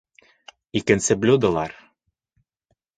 Икенсе блюдолар